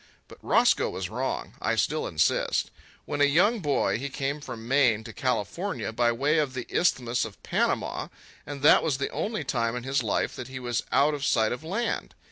But Roscoe was wrong, I still insist. When a young boy he came from Maine to California by way of the Isthmus of Panama, and that was the only time in his life that he was out of sight of land.